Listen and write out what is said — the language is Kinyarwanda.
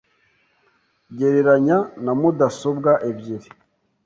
Gereranya na mudasobwa ebyiri.